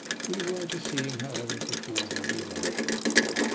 We were to see him, however, before very long.